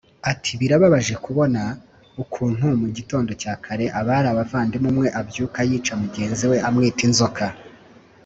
Ati “ Birababaje kubona ukuntu mu gitondo cya kare abari abavandimwe umwe abyuka yica mugenzi we amwita inzoka